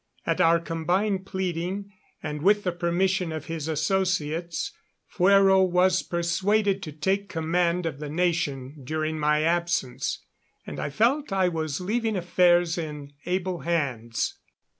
At our combined pleading, and with the permission of his associates, Fuero was persuaded to take command of the nation during my absence; and I felt I was leaving affairs in able hands.